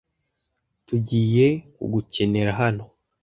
Tugiye kugukenera hano.